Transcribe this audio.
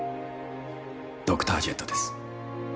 ドクタージェットです。